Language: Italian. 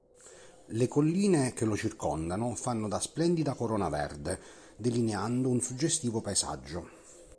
Le colline che lo circondano fanno da splendida corona verde, delineando un suggestivo paesaggio.